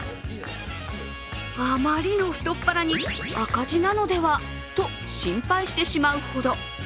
あまりの太っ腹に赤字なのでは？と心配してしまうほど。